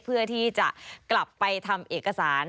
เพื่อที่จะกลับไปทำเอกสาร